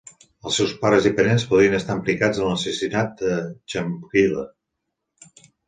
Els seus pares i parents podrien estar implicats en l'assassinat de Chamkila.